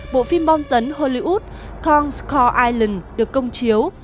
bộ phim bom tấn hollywood kong s call island được công chiếu